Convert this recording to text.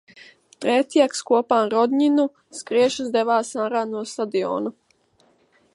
Tretjaks kopā ar Rodņinu skriešus devās ārā no stadiona.